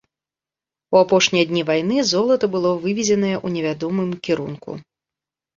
У апошнія дні вайны золата было вывезенае ў невядомым кірунку.